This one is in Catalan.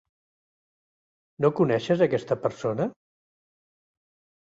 No coneixes aquesta persona?